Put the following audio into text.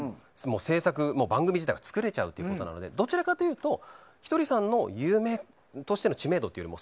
制作も番組自体も作れるということなのでどちらかというとひとりさんの有名人としての知名度より